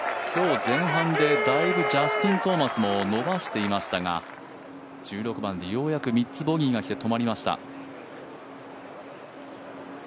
今日、前半でだいぶジャスティン・トーマスも伸ばしていましたが１６番でようやく３つボギーがきて止まりました。